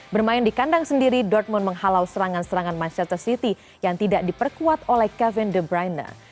bermain di kandang sendiri dortmund menghalau serangan serangan manchester city yang tidak diperkuat oleh kevin debryne